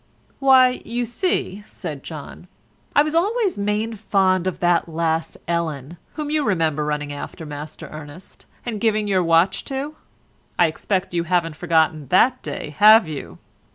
"Why, you see," said John, "I was always main fond of that lass Ellen, whom you remember running after, Master Ernest, and giving your watch to. I expect you haven't forgotten that day, have you?"